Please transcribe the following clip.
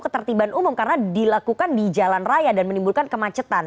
ketertiban umum karena dilakukan di jalan raya dan menimbulkan kemacetan